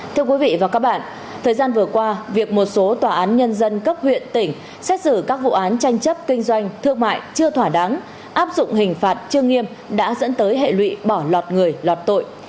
thưa quý vị và các bạn thời gian vừa qua việc một số tòa án nhân dân cấp huyện tỉnh xét xử các vụ án tranh chấp kinh doanh thương mại chưa thỏa đáng áp dụng hình phạt chưa nghiêm đã dẫn tới hệ lụy bỏ lọt người lọt tội